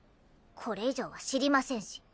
これ以上は知りませんし。